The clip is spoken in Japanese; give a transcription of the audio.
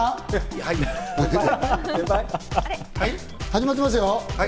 始まってますよ！